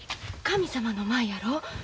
神様の前やろ？